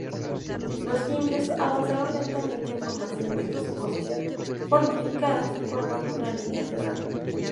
Los cimbrios avanzaron lentamente en formación desde sus posiciones fortificadas, formando una línea cerrada.